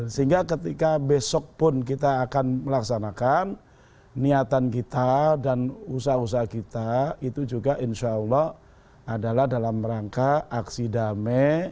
sehingga ketika besok pun kita akan melaksanakan niatan kita dan usaha usaha kita itu juga insya allah adalah dalam rangka aksi damai